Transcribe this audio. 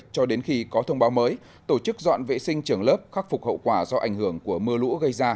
cho đến khi có thông báo mới tổ chức dọn vệ sinh trường lớp khắc phục hậu quả do ảnh hưởng của mưa lũ gây ra